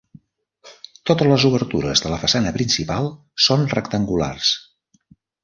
Totes les obertures de la façana principal són rectangulars.